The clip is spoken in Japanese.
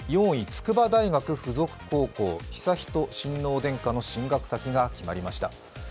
４位、筑波大学附属高校悠仁親王殿下の進学先が決まりました。